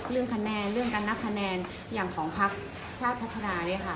เรื่องคะแนนเรื่องการนับคะแนนอย่างของพักชาติพัฒนาเนี่ยค่ะ